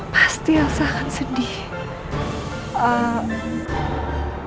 pasti elsa akan sedih